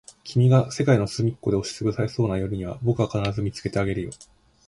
君が世界のすみっこで押しつぶされそうな夜には、僕が必ず見つけてあげるよ。